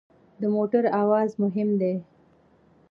د موټر اواز مهم دی.